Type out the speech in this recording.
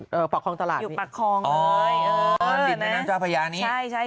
อ๋อดินในน้ำจาพยานี้